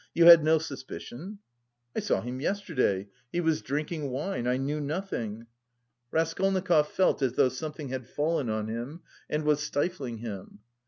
You had no suspicion?" "I saw him yesterday... he... was drinking wine; I knew nothing." Raskolnikov felt as though something had fallen on him and was stifling him.